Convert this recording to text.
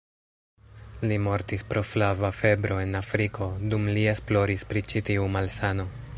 Li mortis pro flava febro en Afriko, dum li esploris pri ĉi-tiu malsano.